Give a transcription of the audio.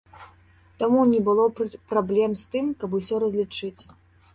Таму не было праблем з тым, каб усё разлічыць.